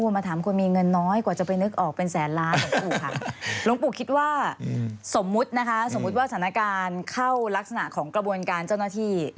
มาถามคนมีเงินน้อยกว่าจะไปนึกออกเป็นแสนล้านหลวงปู่ค่ะหลวงปู่คิดว่าสมมุตินะคะสมมุติว่าสถานการณ์เข้ารักษณะของกระบวนการเจ้าหน้าที่